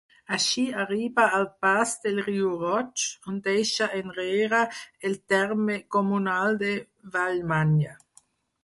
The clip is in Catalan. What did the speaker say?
Així arriba al Pas de Riu Roig, on deixa enrere el terme comunal de Vallmanya.